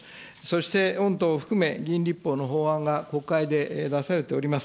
そして御党を含め、議員立法の法案が国会で出されております。